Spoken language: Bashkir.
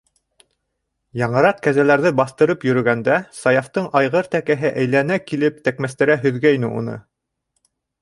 Яңыраҡ, кәзәләрҙе баҫтырып йөрөгәнендә, Саяфтың айғыр тәкәһе әйләнә килеп тәкмәстерә һөҙгәйне уны.